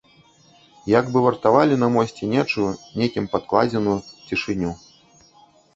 Як бы вартавалі на мосце нечую, некім падкладзеную цішыню.